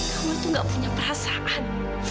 kamu tuh gak punya perasaan